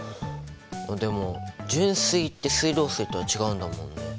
でも純水って水道水とは違うんだもんね。